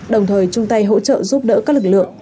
đồng thời chung tay hỗ trợ giúp đỡ các lực lượng